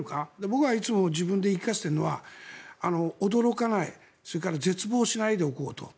僕はいつも自分に言い聞かせているのは驚かないそれから絶望しないでおこうと。